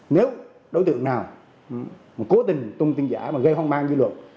nếu đối tượng nào cố tình tung tin giả và gây hoang mang dư luận